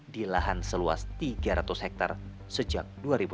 di lahan seluas tiga ratus hektare sejak dua ribu enam belas